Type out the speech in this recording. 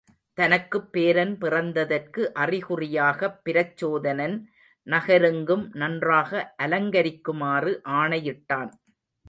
தனக்குப் பேரன் பிறந்ததற்கு அறிகுறியாகப் பிரச்சோதனன் நகரெங்கும் நன்றாக அலங்கரிக்குமாறு ஆணையிட்டான்.